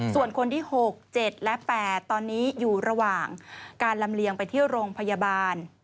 ส่วนคนที่๖๗และ๘ตอนนี้อยู่ระหว่างการลำเลียงไปที่โรงพยาบาล